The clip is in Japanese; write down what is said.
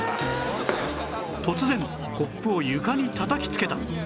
突然コップを床にたたきつけた！